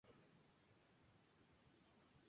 El líquido a destilar se pone en el vaso y se calienta.